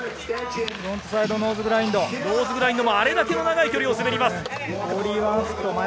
ノーズグラインドもあれだけの長い距離を滑ります。